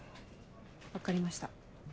分かりました。